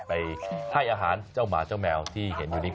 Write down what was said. ไปให้อาหารเจ้าหมาเจ้าแมวที่เห็นอยู่นี้